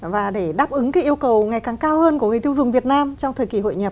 và để đáp ứng yêu cầu ngày càng cao hơn của người tiêu dùng việt nam trong thời kỳ hội nhập